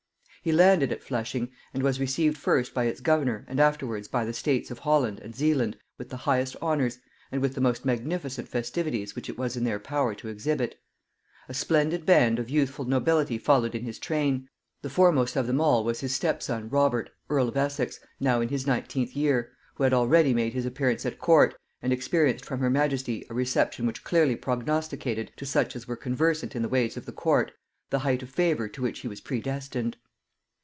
He landed at Flushing, and was received first by its governor and afterwards by the States of Holland and Zealand with the highest honors, and with the most magnificent festivities which it was in their power to exhibit. A splendid band of youthful nobility followed in his train: the foremost of them all was his stepson Robert earl of Essex, now in his 19th year, who had already made his appearance at court, and experienced from her majesty a reception which clearly prognosticated, to such as were conversant in the ways of the court, the height of favor to which he was predestined.